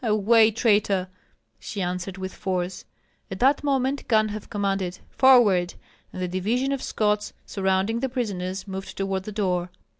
"Away, traitor!" she answered with force. At that moment Ganhoff commanded, "Forward!" and the division of Scots surrounding the prisoners moved toward the door.